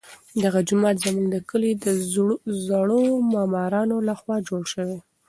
دغه جومات زموږ د کلي د زړو معمارانو لخوا جوړ شوی.